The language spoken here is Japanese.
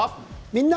「みんな！